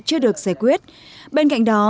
chưa được giải quyết bên cạnh đó